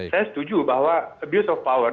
saya setuju bahwa abuse of power